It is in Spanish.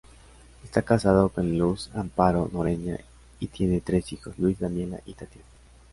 Está casado con Luz Amparo Noreña y tiene tres hijos Luis, Daniela y Tatiana.